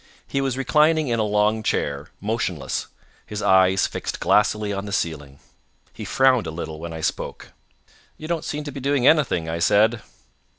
He was reclining in a long chair, motionless, his eyes fixed glassily on the ceiling. He frowned a little when I spoke. "You don't seem to be doing anything," I said.